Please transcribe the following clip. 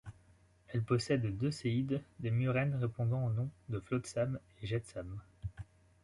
Elle possède deux séides, des murènes, répondant aux noms de Flotsam et Jetsam.